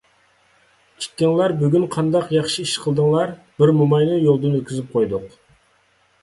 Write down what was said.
ئىككىڭلار بۈگۈن قانداق ياخشى ئىش قىلدىڭلار؟ بىر موماينى يولدىن ئۆتكۈزۈپ قويدۇق.